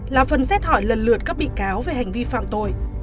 là phần xét hỏi lần lượt các bị cáo về hành vi phạm tội